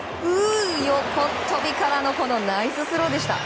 横っ飛びからのナイススローでした。